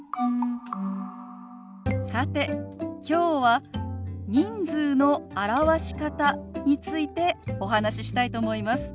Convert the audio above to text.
さてきょうは人数の表し方についてお話ししたいと思います。